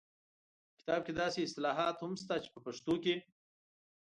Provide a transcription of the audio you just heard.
په کتاب کې داسې اصطلاحات هم شته چې په پښتو کې